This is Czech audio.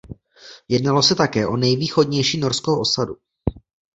Jednalo se také o nejvýchodnější norskou osadu.